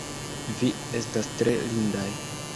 Vi estas tre lindaj!